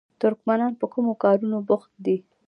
ترکمنان په کومو کارونو بوخت دي؟